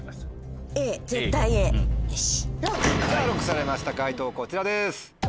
ＬＯＣＫされました解答こちらです！